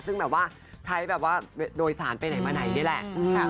ซึ่งใช้แบบโดยศาลไปไหนมาไหนนี่แหละ